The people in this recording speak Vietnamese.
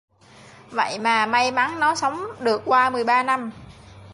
Vậy mà may mắn Nó sống được qua mười ba năm